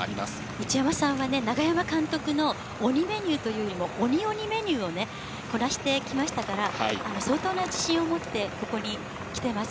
一山さんは永山監督の鬼メニューというよりも、鬼鬼メニューをね、こなしてきましたから、相当な自信を持って、ここに来てます。